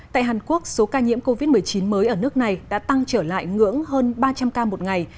tại hàn quốc số ca nhiễm covid một mươi chín mới ở nước này đã tăng trở lại ngưỡng hơn ba trăm linh ca một ngày